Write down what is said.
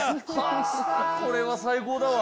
これは最高だわ。